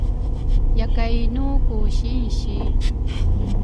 Yakay inu ku sinsi?